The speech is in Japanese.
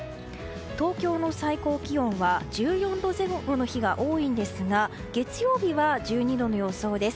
東京の最高気温は１４度前後の日が多いんですが月曜日は１２度の予想です。